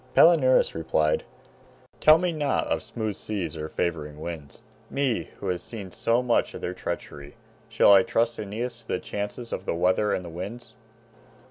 Palinurus replied, "Tell me not of smooth seas or favoring winds, me who have seen so much of their treachery. Shall I trust Aeneas to the chances of the weather and the winds?"